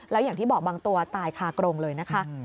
แล้วอย่างที่บอกบางตัวตายคากรงเลยนะคะ